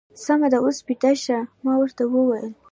سمه ده، اوس بېده شه. ما ورته وویل.